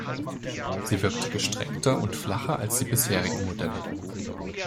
Sie wirkte gestreckter und flacher als die bisherigen Modelle.